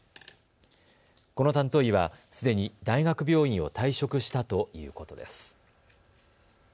この担当医は、すでに大学病院を退職したということです。